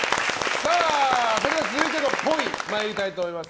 それでは続いてのポイ参りたいと思います。